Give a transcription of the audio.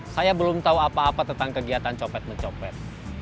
saya belum tahu apa apa tentang kegiatan copet mencopet